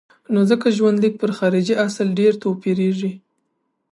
نو ځکه ژوندلیک پر خارجي اصل ډېر توپیرېږي.